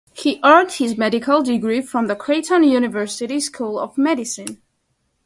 He earned his medical degree from the Creighton University School of Medicine.